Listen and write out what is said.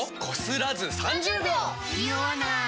ニオわない！